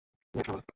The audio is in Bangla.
কী হয়েছে বাবা?